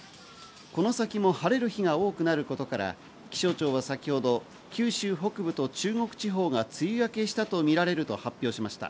この先も晴れる日が多くなることから気象庁は先ほど、九州北部と中国地方が梅雨明けしたとみられると発表しました。